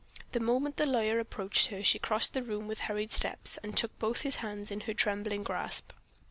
The moment the lawyer approached her, she crossed the room with hurried steps, and took both his hands in her trembling grasp.